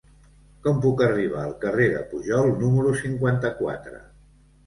Com puc arribar al carrer de Pujol número cinquanta-quatre?